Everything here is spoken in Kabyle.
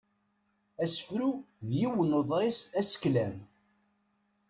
Asefru d yiwen n uḍris aseklan.